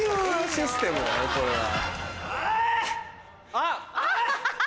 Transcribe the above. ・あっ！